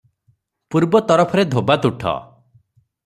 ପୂର୍ବ ତରଫରେ ଧୋବାତୁଠ ।